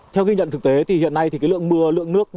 theo ghi nhận thực tế thì hiện nay thì cái lượng mưa lượng nước